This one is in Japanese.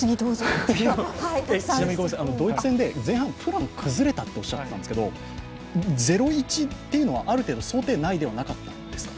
ちなみに、ドイツ戦で前半、プラン崩れたとおっしゃっていたんですが、０−１というのは想定内だったんじゃないんですか？